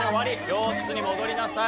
教室に戻りなさい。